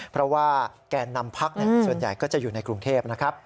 เพราะว่าแกนนำพักส่วนใหญ่ก็จะอยู่ในกรุงเทพนะครับ